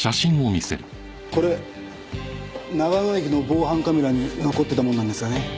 これ長野駅の防犯カメラに残っていたものなんですがね。